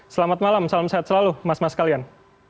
selamat malam salam sehat selalu mas mas kalian